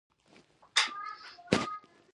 څنګه کولی شم د ماشومانو لپاره د کیمپینګ تیاری وکړم